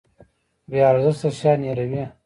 بې ارزښته شیان هیروي.